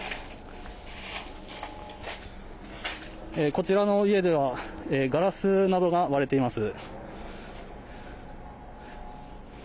こちらの家では、ガラスなどが割れています。